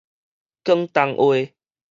廣東話